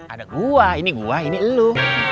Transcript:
ada gua ini gua ini lu